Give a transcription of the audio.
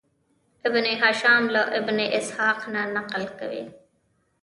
ابن هشام له ابن اسحاق نه نقل کوي.